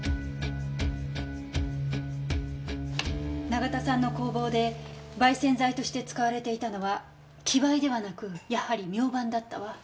永田さんの工房で媒染剤として使われていたのは木灰ではなくやはりミョウバンだったわ。